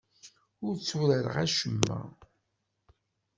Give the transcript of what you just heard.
Ur tturareɣ acemma.